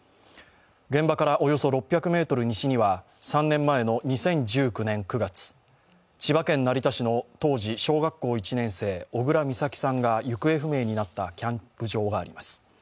現場からおよそ６００ｍ西には３年前の２０１９年９月、千葉県成田市の当時、小学校１年生小倉美咲さんが行方不明になったキャンプ場があります。